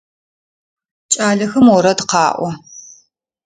Кӏалэхэм орэд къаӏо.